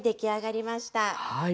はい。